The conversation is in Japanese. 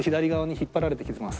引っ張られてます